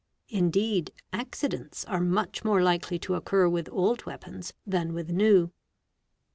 Indeed accidents are much more likely to occur with old weapons than with new.